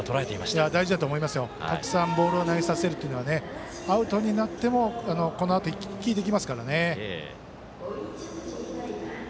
たくさんボールを投げさせるっていうのはアウトになってもこのあと効いてきますからね。